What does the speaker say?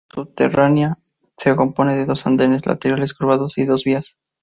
La estación subterránea se compone de dos andenes laterales curvados y de dos vías.